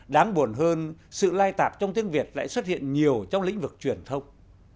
đáng buồn hơn sự lai tạp trong tiếng việt lại xuất hiện nhiều trong lĩnh vực truyền thông